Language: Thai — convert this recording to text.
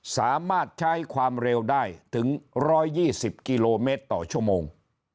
สามารถใช้ความเร็วได้ถึง๑๒๐กิโลเมตรต่อชั่วโมง